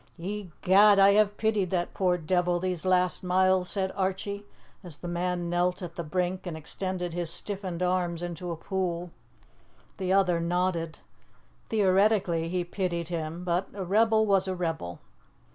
"Egad, I have pitied that poor devil these last miles," said Archie, as the man knelt at the brink and extended his stiffened arms into a pool. The other nodded. Theoretically he pitied him, but a rebel was a rebel.